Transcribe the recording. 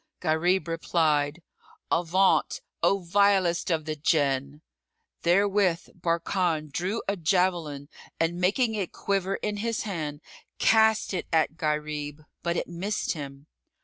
Gharib replied, "Avaunt,[FN#39] O vilest of the Jann!" Therewith Barkan drew a javelin and making it quiver[FN#40] in his hand, cast it at Gharib; but it missed him.